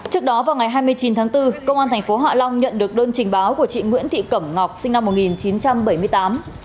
trước đó vào ngày hai mươi chín tháng bốn công an tp hạ long nhận được đơn trình báo của chị nguyễn thị cẩm ngọc sinh năm một nghìn chín trăm bảy mươi tám